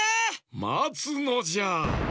まつのじゃ！